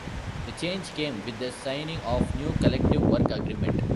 The change came with the signing of the new Collective Work Agreement.